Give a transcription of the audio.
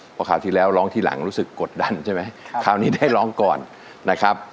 เพราะคราวที่แล้วร้องทีหลังรู้สึกกดดันใช่ไหมคราวนี้ได้ร้องก่อนนะครับ